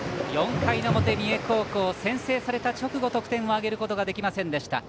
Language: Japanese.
４回表、三重高校先制された直後得点を挙げることはできませんでした。